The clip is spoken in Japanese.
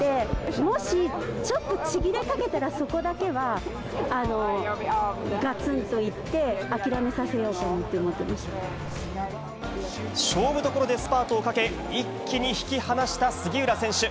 もしちょっとちぎれかけたら、そこだけはがつんといって、勝負どころでスパートをかけ、一気に引き離した杉浦選手。